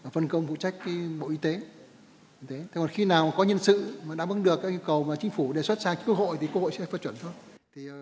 phân công phụ trách bộ y tế thế còn khi nào có nhân sự mà đáp ứng được các yêu cầu mà chính phủ đề xuất sang quốc hội thì quốc hội sẽ phê chuẩn thôi